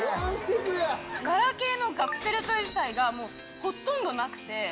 ガラケーのカプセルトイ自体がほとんどなくて。